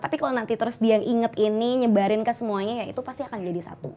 tapi kalau nanti terus dia yang inget ini nyebarin ke semuanya ya itu pasti akan jadi satu